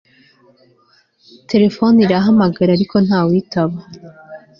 terefone irahamagara, ariko ntawe witaba